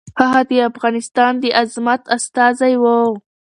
هغه د افغانستان د عظمت استازی و.